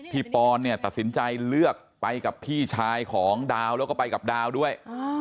ปอนเนี่ยตัดสินใจเลือกไปกับพี่ชายของดาวแล้วก็ไปกับดาวด้วย